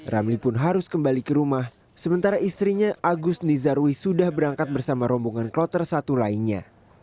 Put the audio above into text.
ramli pun harus kembali ke rumah sementara istrinya agus nizarwi sudah berangkat bersama rombongan kloter satu lainnya